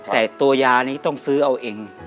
แต่ตัวยานี้ต้องซื้อเอาเอง